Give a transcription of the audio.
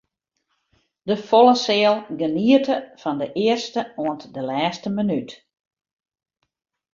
De folle seal geniete fan de earste oant de lêste minút.